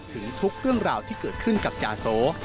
ถึงทุกเรื่องราวที่เกิดขึ้นกับจาโส